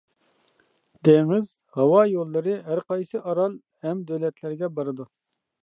دېڭىز، ھاۋا يوللىرى ھەرقايسى ئارال ھەم دۆلەتلەرگە بارىدۇ.